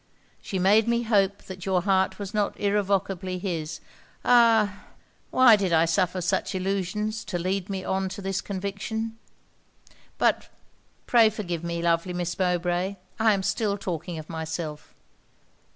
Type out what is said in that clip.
She made me hope that your heart was not irrevocably his. Ah! why did I suffer such illusions to lead me on to this conviction! But pray forgive me, lovely Miss Mowbray! I am still talking of myself.